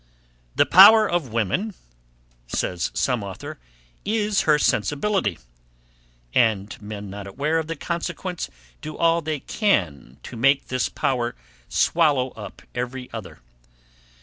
"The power of women," says some author, "is her sensibility;" and men not aware of the consequence, do all they can to make this power swallow up every other.